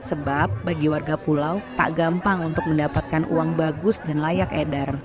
sebab bagi warga pulau tak gampang untuk mendapatkan uang bagus dan layak edar